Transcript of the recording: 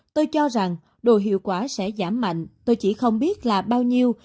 tôi cho rằng đồ hiệu quả sẽ giảm mạnh tôi chỉ không biết là bao nhiêu